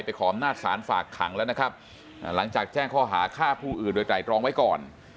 ขออำนาจศาลฝากขังแล้วนะครับหลังจากแจ้งข้อหาฆ่าผู้อื่นโดยไตรตรองไว้ก่อน